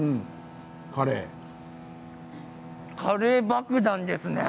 カレー爆弾ですね！